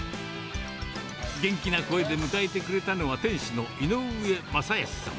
元気な声で迎えてくれたのは、店主の井上雅保さん。